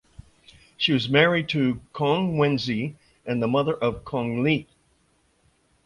She was married to Kong Wenzi and the mother of Kong Li.